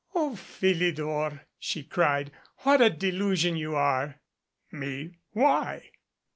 "O Philidor !" she cried. "What a delusion you are !" "Me? Why?"